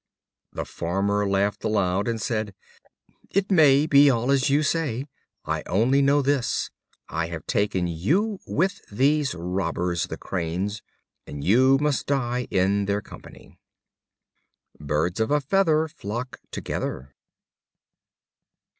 The Farmer laughed aloud, and said: "It may be all as you say; I only know this, I have taken you with these robbers, the Cranes, and you must die in their company." Birds of a feather flock together.